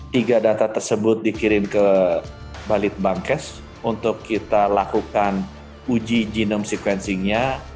tiga data tersebut dikirim ke balit bankes untuk kita lakukan uji genome sequencing nya